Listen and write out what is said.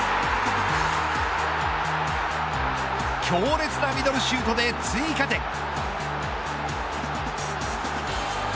強烈なミドルシュートで追加点。